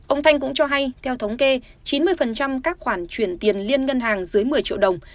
ông thanh cũng cho hay theo thống kê chín mươi các khoản chuyển tiền liên ngân hàng dưới một mươi triệu đồng